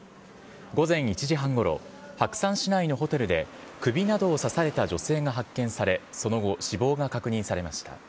午前１時半ごろ、白山市内のホテルで、首などを刺された女性が発見され、その後、死亡が確認されました。